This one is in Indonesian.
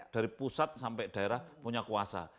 dari pusat sampai daerah punya kuasa